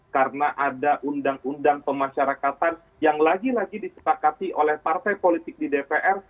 karena ada undang undang pemasyarakatan yang lagi lagi disepakati oleh partai politik di dpr